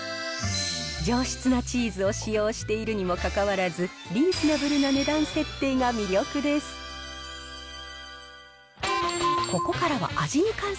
上質なチーズを使用しているにもかかわらず、リーズナブルな値段設定が魅力です。